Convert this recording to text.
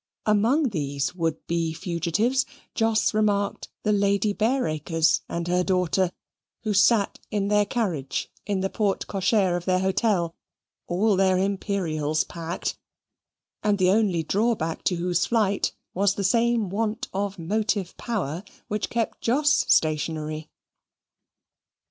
Amongst these would be fugitives, Jos remarked the Lady Bareacres and her daughter, who sate in their carriage in the porte cochere of their hotel, all their imperials packed, and the only drawback to whose flight was the same want of motive power which kept Jos stationary.